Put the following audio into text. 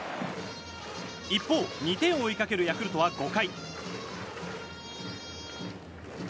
一方、２点を追いかけるヤクルトは５回。